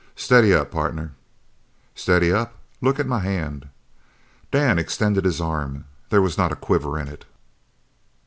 "Steady up, partner." "Steady up? Look at my hand!" Dan extended his arm. There was not a quiver in it.